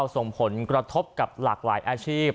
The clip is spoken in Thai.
ส่งผลกระทบกับหลากหลายอาชีพ